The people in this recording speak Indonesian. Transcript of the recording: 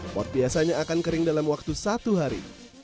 pot biasanya akan kering dalam waktu satu hari